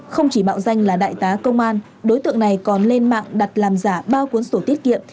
không chỉ mạo danh là đại tá công an đối tượng này còn lên mạng đặt làm giả ba cuốn sổ tiết kiệm